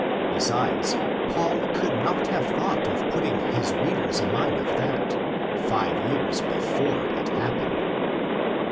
Besides, Paul could not have thought of putting his readers in mind of that, five years before it happened.